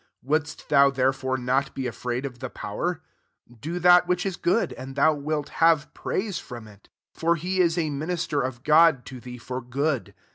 Wouldst thou therefore not be afraid of the power I do that which is g^ood, and thou wilt have praise frmn it. 4 For he is a minister of God to thee for good.